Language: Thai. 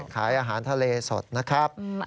ขายอาหารทะเลสดนะครับ